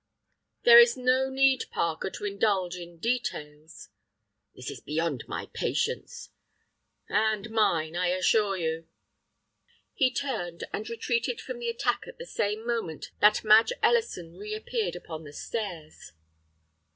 "There is no need, Parker, to indulge in details." "This is beyond my patience!" "And mine, I assure you." He turned, and retreated from the attack at the same moment that Madge Ellison reappeared upon the stairs.